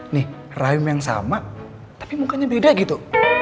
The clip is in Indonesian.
nih rahim yang sama tapi mukanya beda gitu